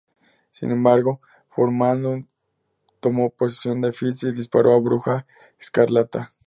Sin embargo, Dormammu tomó posesión de Fitz y disparó a Bruja Escarlata.